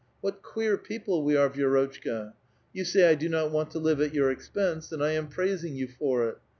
What queer people we ai'e, Vi^rotchka! Y'ou say, ' 1 do not want to live at your expense,' and I am praising you for it